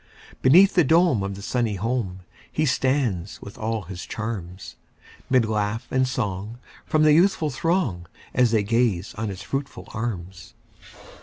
Beneath the dome of the sunny home, He stands with all his charms; 'Mid laugh and song from the youthful throng, As they gaze on his fruitful arms.